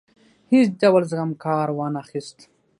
هیڅ ډول زغم څخه کار وانه خیست.